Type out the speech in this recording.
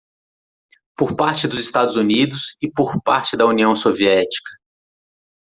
por parte dos Estados Unidos e por parte da União Soviética.